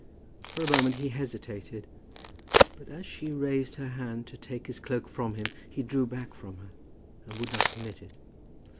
For a moment he hesitated, but as she raised her hand to take his cloak from him he drew back from her, and would not permit it.